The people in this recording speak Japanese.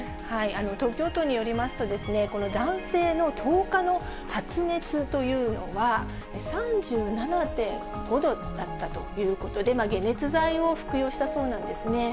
東京都によりますと、この男性の１０日の発熱というのは、３７．５度だったということで、解熱剤を服用したそうなんですね。